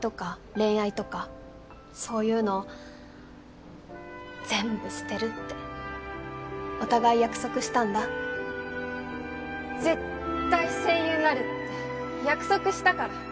恋愛とかそういうの全部捨てるってお互い約束したんだ絶対声優になるって約束したから